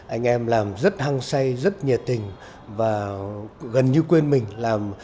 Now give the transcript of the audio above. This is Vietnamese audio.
anh em làm rất hăng say rất nhiệt tình và gần như quên mình làm